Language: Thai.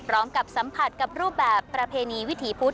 พร้อมกับสัมผัสกับรูปแบบประเพณีวิถีพุธ